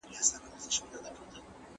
زعفران په دې ټولو کې ځلیدونکی دی.